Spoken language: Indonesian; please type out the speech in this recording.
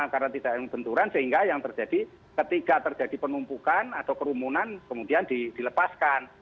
karena tidak ada benturan sehingga yang terjadi ketika terjadi penumpukan atau kerumunan kemudian dilepaskan